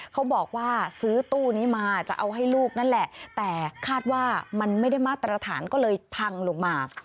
เขาบอกว่าซื้อตู้นี้มาจะเอาให้ลูกนั่นแหละแต่คาดว่ามันไม่ได้มาตรฐานก็เลยพังลงมา